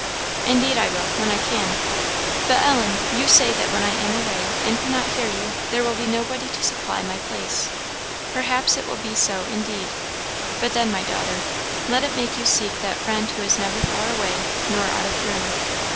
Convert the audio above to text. "Indeed I will when I can. But, Ellen, you say that when I am away, and cannot hear you, there will be nobody to supply my place. Perhaps it will be so, indeed; but then, my daughter, let it make you seek that Friend who is never far away nor out of hearing.